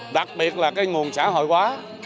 đặc biệt là nguồn xã hội hóa